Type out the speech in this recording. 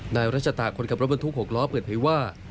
นายรัชตาคนขับรถบรรทุก๖ล้อเปิดเผยว่า